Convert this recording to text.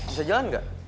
bisa jalan gak